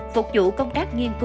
phục vụ công tác nghiên cứu